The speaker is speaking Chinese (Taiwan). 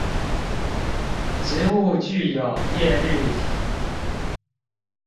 植物具有葉綠體